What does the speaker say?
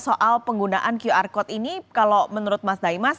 soal penggunaan qr code ini kalau menurut mas daimas